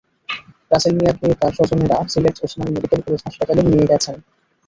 রাসেল মিয়াকে তাঁর স্বজনেরা সিলেট ওসমানী মেডিকেল কলেজ হাসপাতালে নিয়ে গেছেন।